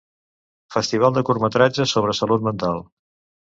Festival de curtmetratges sobre salut mental.